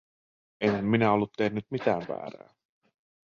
Enhän minä ollut tehnyt mitään väärää?